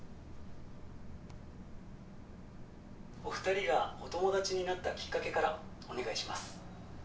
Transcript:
お二人がお友達になったきっかけからお願いします